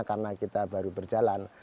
karena kita baru berjalan